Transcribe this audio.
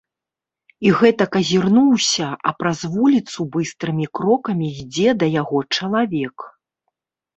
І гэтак азірнуўся, а праз вуліцу быстрымі крокамі ідзе да яго чалавек.